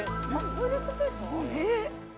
トイレットペーパー？